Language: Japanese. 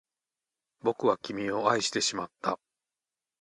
僕は君を愛してしまった